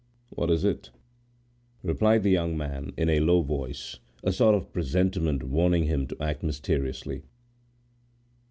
What is it?" replied the young man, in a low voice, a sort of presentiment warning him to act mysteriously.